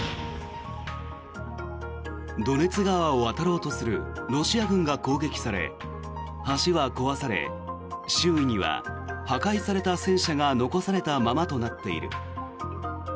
ドネツ川を渡ろうとするロシア軍が攻撃され橋は壊され周囲には破壊された戦車が残されたままとなっている。